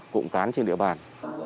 cụm cán trên địa bàn